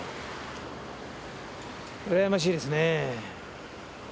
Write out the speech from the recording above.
うらやましいですねえ。